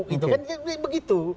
itu kan begitu